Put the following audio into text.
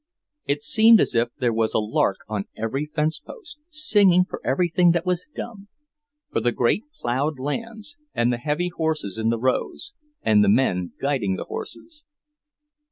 It seemed as if there were a lark on every fence post, singing for everything that was dumb; for the great ploughed lands, and the heavy horses in the rows, and the men guiding the horses.